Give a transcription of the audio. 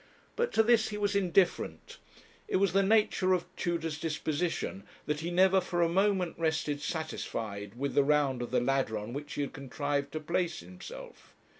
But to this he was indifferent. It was the nature of Tudor's disposition, that he never for a moment rested satisfied with the round of the ladder on which he had contrived to place himself.